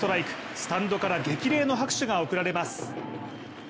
スタンドから激励の拍手が送られます。